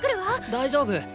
大丈夫。